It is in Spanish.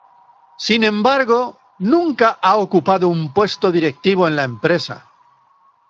Sin embargo, nunca ha ocupado un puesto directivo en la empresa.